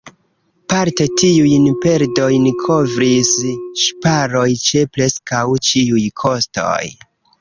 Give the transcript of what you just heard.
Parte tiujn perdojn kovris ŝparoj ĉe preskaŭ ĉiuj kostoj.